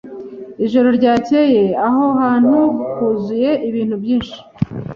Ijoro ryakeye aho hantu huzuye ibintu byinshi.